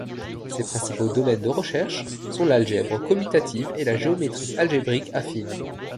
Ses principaux domaines de recherches sont l'algèbre commutative et la géométrie algébrique affine.